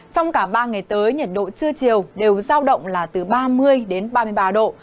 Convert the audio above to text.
trong cả ba ngày tới nhiệt độ trưa chiều đều giao động là từ ba mươi đến ba mươi ba độ